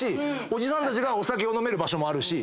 おじさんたちがお酒を飲める場所もあるし。